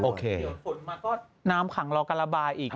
เดี๋ยวส่วนมาก็น้ำขังเรากระบายอีก